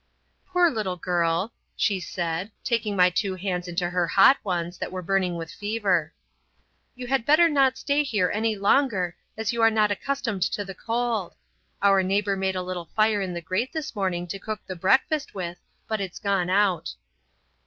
"Poor little girl," she said. Taking my two hands in her two hot ones that were burning with fever, "You had better not stay here any longer as you are not accustomed to the cold. Our neighbor made a little fire in the grate this morning to cook the breakfast with, but it's gone out."